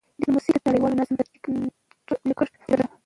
ډيپلوماسي د نړیوال نظم د ټینګښت وسیله ده.